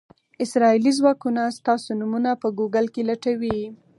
اسرائیلي ځواکونه ستاسو نومونه په ګوګل کې لټوي.